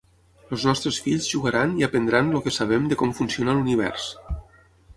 Els nostres fills jugaran i aprendran el que sabem de com funciona l’univers.